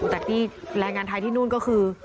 แต่ที่แรงงานไทยที่นู่นก็คือ